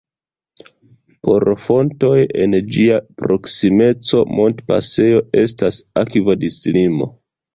Por fontoj en ĝia proksimeco montpasejo estas akvodislimo.